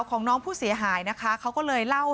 พี่น้องของผู้เสียหายแล้วเสร็จแล้วมีการของผู้เสียหาย